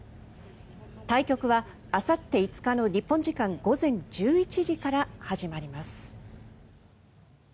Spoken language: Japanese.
対局はあさって５日の日本時間午前１１時から始まります。